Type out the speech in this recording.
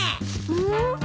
うん？